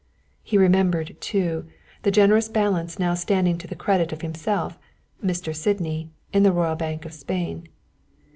He remembered, too, the generous balance now standing to the credit of himself, Mr. Sydney, in the Royal Bank of Spain.